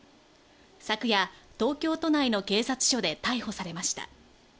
昨夜、東京都内の警察署で逮捕されました。